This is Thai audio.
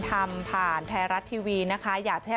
ธรรมผ่านแทรรัสทีวีนะคะอยากจะให้